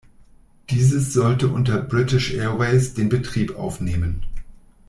Dieses sollte unter British Airways den Betrieb aufnehmen.